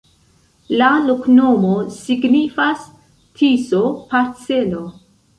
La loknomo signifas: Tiso-parcelo.